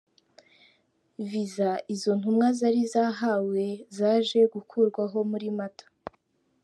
Viza izo ntumwa zari zahawe zaje gukurwaho muri Mata.